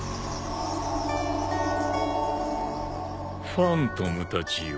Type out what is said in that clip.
ファントムたちよ。